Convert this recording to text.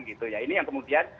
gitu ya ini yang kemudian